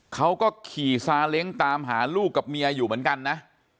เขาก็ขี่ซาเล้งตามหาลูกกับเมียอยู่เหมือนกันนะ